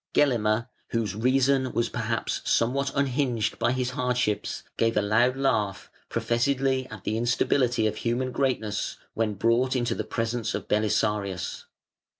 Gelimer, whose reason was perhaps somewhat unhinged by his hardships, gave a loud laugh professedly at the instability of human greatness when brought into the presence of Belisarius.